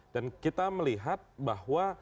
dan kita melihat bahwa